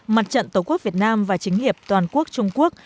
mặt trận tổ quốc việt nam và chính hiệp toàn quốc trung quốc